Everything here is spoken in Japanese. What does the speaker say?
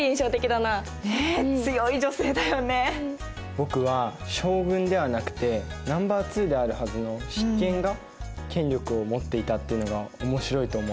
僕は将軍ではなくてナンバーツーであるはずの執権が権力を持っていたっていうのが面白いと思った。